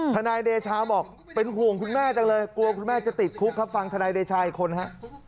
ทนายเดชาบอกเป็นห่วงคุณแม่จังเลยกลัวคุณแม่จะติดคุกครับฟังธนายเดชาอีกคนฮะ